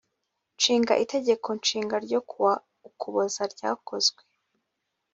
nshinga itegeko nshinga ryo ku wa ukuboza ryakozwe